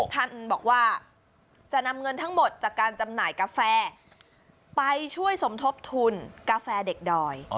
ท่านบอกว่าจะนำเงินทั้งหมดจากการจำหน่ายกาแฟไปช่วยสมทบทุนกาแฟเด็กดอย